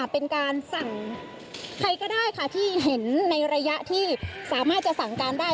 เป็นการสั่งใครก็ได้ค่ะที่เห็นในระยะที่สามารถจะสั่งการได้